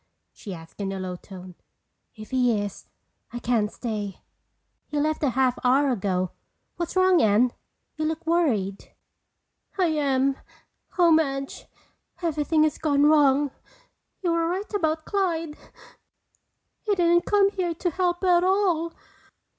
she asked in a low tone. "If he is, I can't stay." "He left a half hour ago. What's wrong, Anne? You look worried." "I am. Oh, Madge, everything has gone wrong. You were right about Clyde. He didn't come here to help at all.